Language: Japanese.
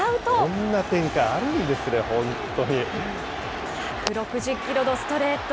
こんな展開あるんですね、本１６０キロのストレート。